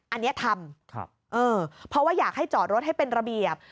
อันนี้ทำเพราะว่าอยากให้จอดรถให้เป็นระเบียบ